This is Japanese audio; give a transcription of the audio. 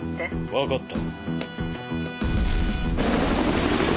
分かった。